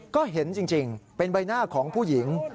ก็เห็นจริงเป็นใบหน้าของผู้หญิง